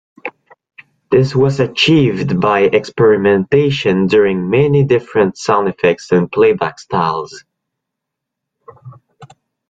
This was achieved by experimentation using many different sound effects and playback styles.